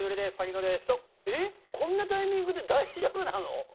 えっ、こんなタイミングで大丈夫なの？